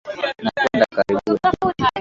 nakwenda kaburini